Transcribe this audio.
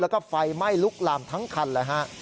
แล้วก็ไฟไหม้ลุกลามทั้งคันเลยฮะ